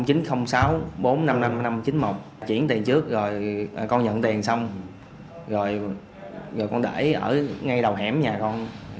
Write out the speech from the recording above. chuyển tiền trước rồi con nhận tiền xong rồi con để ở ngay đầu hẻm nhà con